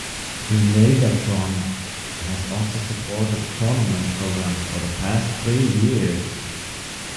LaserTron has also supported a tournament program for the past three years.